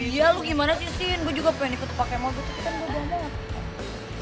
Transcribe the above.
iya lo gimana sih sin gue juga pengen ikutin pakai motor kan gue udah ada apa apa